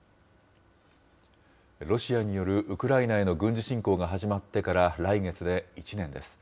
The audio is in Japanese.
ロシアによるウクライナへの軍事侵攻が始まってから、来月で１年です。